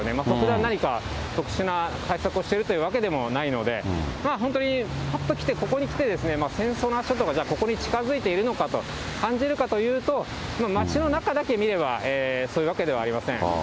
特段、何か特殊な対策をしているというわけでもないので、まあ本当に、ぱっと来て、ここにきて、戦争の足音がじゃあここに近づいているのかと感じるかというと、街の中だけ見ればそういうわけではありません。